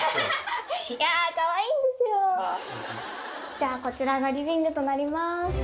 じゃあこちらがリビングとなります。